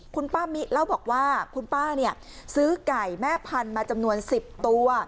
คุณป้ามิเล่าบอกว่าคุณป้าเนี่ยซื้อไก่แม่พันธุ์มาจำนวน๑๐ตัว